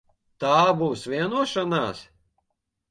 Tā būs vienošanās?